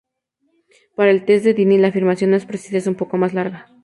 Para el test de Dini, la afirmación más precisa es un poco más larga.